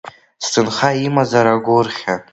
Сҭынха имазар агәырӷьа…